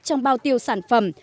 trong bao tiêu sản phẩm